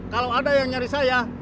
kalau ada yang nyari saya